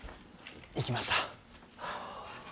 行きました。